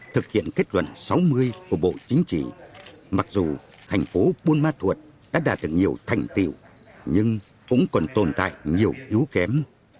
thực hiện kết luận sáu mươi của bộ chính trị mặc dù thành phố buôn ma thuột đã đạt được nhiều thành tiệu nhưng cũng còn tồn tại nhiều yếu kém